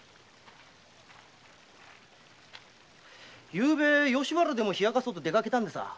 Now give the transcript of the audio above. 昨夜吉原でも冷やかそうと出かけたんでさ。